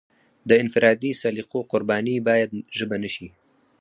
د انفرادي سلیقو قرباني باید ژبه نشي.